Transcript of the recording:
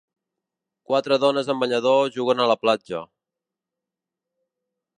Quatre dones en banyador juguen a la platja